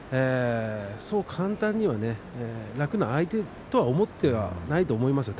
そう簡単には楽な相手とは思ってはいないと思いますよ